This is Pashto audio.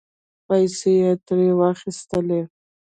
پیسې یې ترې واخستلې